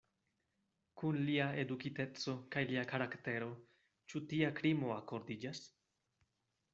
Kun lia edukiteco kaj lia karaktero ĉu tia krimo akordiĝas?